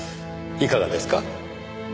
いかがですか？